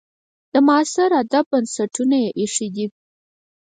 د معاصر ادب بنسټونه یې ایښي دي.